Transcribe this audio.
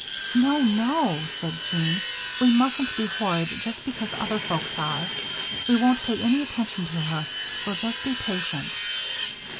"No, no," said Jean, "we mustn't be horrid just because other folks are. We won't pay any attention to her we'll just be patient."